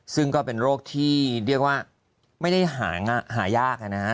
ซึ่งก็เป็นโรคที่เรียกว่าไม่ได้หางหายาก